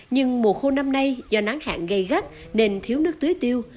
nhưng mùa khô năm nay do nắng hạn gây gắt nên thiếu nước tưới tiêu